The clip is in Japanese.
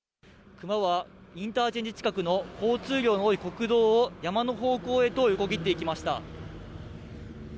熊はインターチェンジ近くの交通量の多い国道を、山の方向へと横切っていきました。